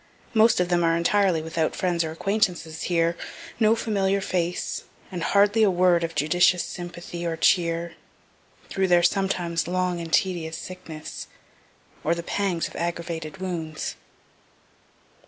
Most of them are entirely without friends or acquaintances here no familiar face, and hardly a word of judicious sympathy or cheer, through their sometimes long and tedious sickness, or the pangs of aggravated wounds.